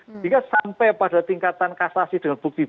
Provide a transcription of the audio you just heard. sehingga sampai pada tingkatan kasasi dengan bukti bukti